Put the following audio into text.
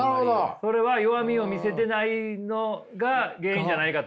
それは弱みを見せてないのが原因じゃないかと。